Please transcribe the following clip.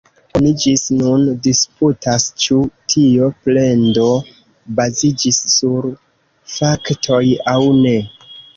Oni ĝis nun disputas, ĉu tio plendo baziĝis sur faktoj aŭ ne.